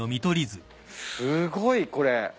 すごいこれ。